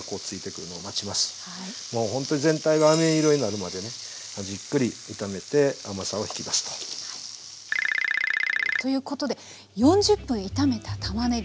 もうほんとに全体があめ色になるまでじっくり炒めて甘さを引き出すと。ということで４０分炒めたたまねぎ。